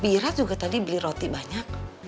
bira juga tadi beli roti banyak